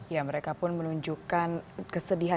ya mereka pun menunjukkan kesedihan